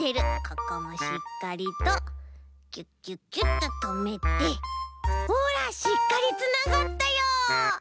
ここもしっかりとギュッギュッギュッととめてほらしっかりつながったよ！